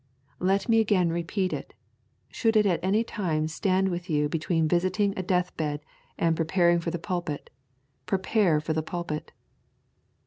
Let me again repeat it, should it at any time stand with you between visiting a deathbed and preparing for the pulpit, prepare for the pulpit.'